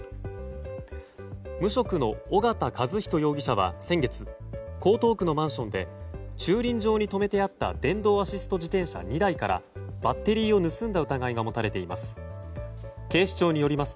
無職の小形一仁容疑者は、先月江東区のマンションで駐輪場に止めてあった電動アシスト自転車２台からバッテリーを盗んだ疑いが持たれています。